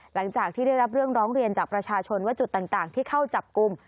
หลังจากที่ได้รับเรื่องร้องเรียนจากประชาชนว่าจุดต่างที่เข้าจับกลุ่ม